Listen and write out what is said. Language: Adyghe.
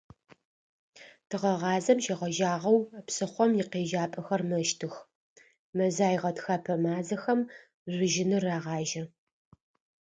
Тыгъэгъазэм щегъэжьагъэу псыхъом икъежьапӏэхэр мэщтых, мэзай – гъэтхэпэ мазэхэм жъужьыныр рагъажьэ.